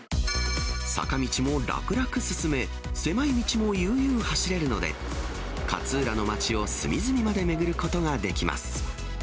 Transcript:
坂道も楽々進め、狭い道も悠々走れるので、勝浦の町を隅々まで巡ることができます。